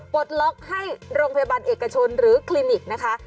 ปลดล็อกให้โรงพยาบาลเอกชนหรือคลินิกนะคะ